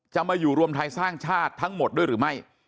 มาอยู่รวมไทยสร้างชาติทั้งหมดด้วยหรือไม่